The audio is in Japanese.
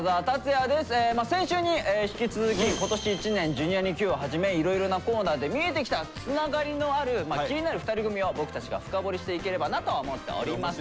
先週に引き続き今年一年「Ｊｒ．にＱ」をはじめいろいろなコーナーで見えてきたつながりのある気になる２人組を僕たちが深堀りしていければなと思っております。